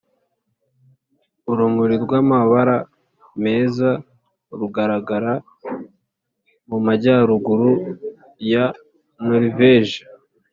Urumuri rw amabara meza rugaragara mu majyaruguru ya Noruveje